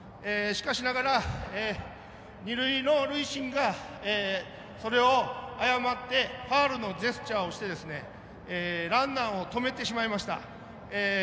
しかしながら二塁の塁審がそれを誤ってファウルのジェスチャーをしてランナーを止めてしまいました。